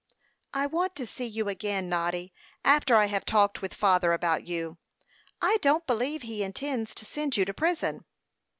"I want to see you again, Noddy, after I have talked with father about you. I don't believe he intends to send you to prison."